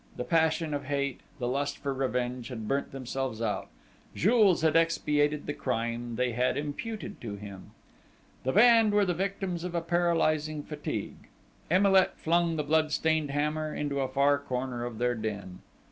The passion of hate, the lust for revenge had burnt themselves out. Jules had expiated the crime they had imputed to him! The band were the victims of a paralysing fatigue. Emilet flung the blood stained hammer into a far corner of their den.